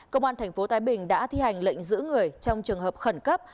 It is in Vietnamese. công an tp thái bình đã thi hành lệnh giữ người trong trường hợp khẩn cấp